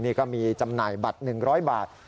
นี่ก็มีจำหน่ายบัตร๑๐๐บาท